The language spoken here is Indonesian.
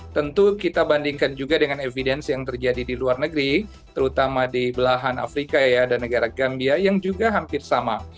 tentu kita bandingkan juga dengan evidence yang terjadi di luar negeri terutama di belahan afrika ya dan negara gambia yang juga hampir sama